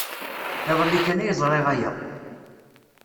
Iḍelli kan ay ẓriɣ aya.